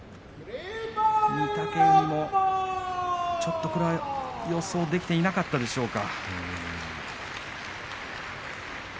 御嶽海もちょっとこれは予想できていなかったでしょうか。